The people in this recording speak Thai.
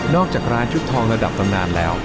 อกจากร้านชุดทองระดับตำนานแล้ว